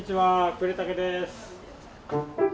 呉竹です。